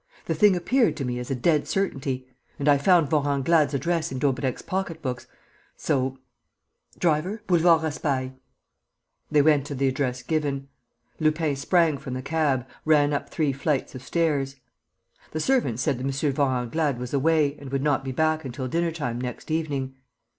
The thing appeared to me as a dead certainty. And I found Vorenglade's address in Daubrecq's pocket books, so ... driver, Boulevard Raspail!" They went to the address given. Lupin sprang from the cab, ran up three flights of stairs. The servant said that M. Vorenglade was away and would not be back until dinner time next evening.